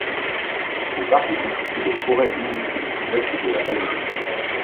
Le parc est constitué de forêts humides du Sud-Ouest de l'Amazonie.